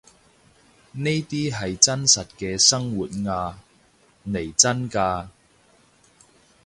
呢啲係真實嘅生活呀，嚟真㗎